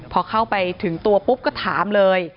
พอเข้าไปถึงตัวปุ๊บก็ถามเลย